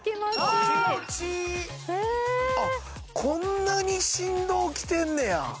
こんなに振動来てんねや。